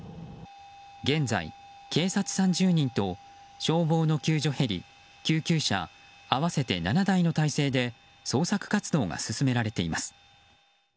現在、警察３０人と消防の救助ヘリ救急車、合わせて７台の態勢で捜索活動が進められています。